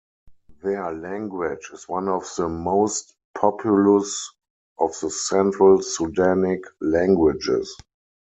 Their language is one of the most populous of the Central Sudanic languages.